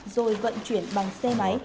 rồi vận chuyển bằng xe máy